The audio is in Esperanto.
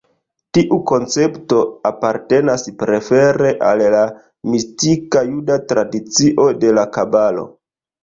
Tiu koncepto apartenas prefere al la mistika juda tradicio de la Kabalo.